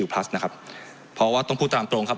เพราะว่าตรงคู่ตามตรงครับ